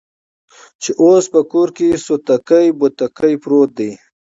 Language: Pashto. چې اوس په کور کې سوتکى بوتکى پروت دى.